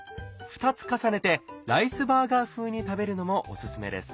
２つ重ねてライスバーガー風に食べるのもお薦めです。